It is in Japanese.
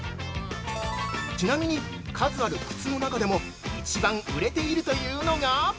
◆ちなみに、数ある靴の中でも一番売れているというのが。